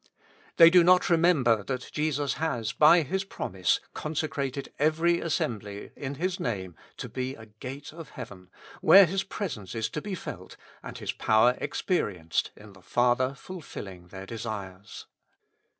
They do not remember that Jesus has, by His promise, consecrated every assembly in His Name to be a gate of heaven, where His Presence is to be felt, and His Power experienced in the Father fulfilling their desires.